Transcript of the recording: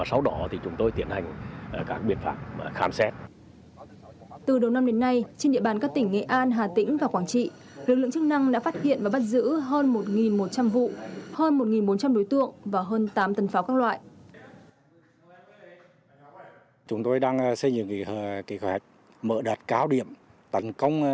sau đó chúng tôi tiến hành phối hợp với các lực lượng liên quan tuyên truyền vận động